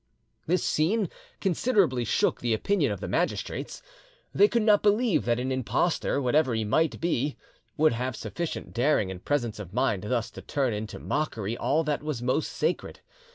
This scene considerably shook the opinion of the magistrates. They could not believe that an impostor, whatever he might be, would have sufficient daring and presence of mind thus to turn into mockery all that was most sacred.